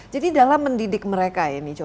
jadi dalam mendidik mereka ini jose